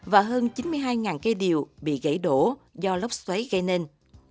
và hơn chín mươi hai cây điều bị gãy đổ do lốc xoáy gây nên